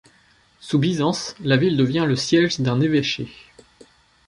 Sous Byzance, la ville devient le siège d’un évêché.